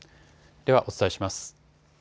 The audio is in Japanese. ではお伝えします。